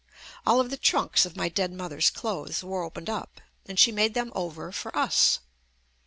All of the trunks of my dead mother's clothes were opened up, and she made them over for us.